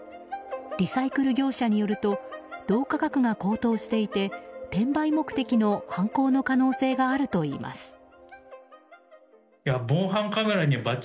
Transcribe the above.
リサイクル業者によると銅価格が高騰していて転売目的の犯行の可能性があるといいます。